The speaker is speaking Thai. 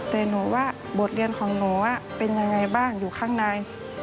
แต่หนูว่าบทเรียนของหนูเป็นยังไงบ้างอยู่ข้างใน